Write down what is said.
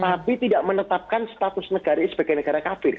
tapi tidak menetapkan status negara ini sebagai negara kafir